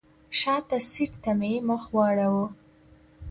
شاته سیټ ته مې مخ واړوه.